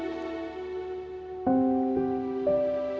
kenapa aku nggak bisa dapetin kebahagiaan aku